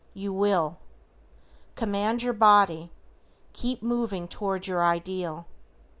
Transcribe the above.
YOU WILL. COMMAND YOUR BODY. KEEP MOVING TOWARD YOUR IDEAL.